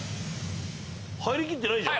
入りきってないじゃん。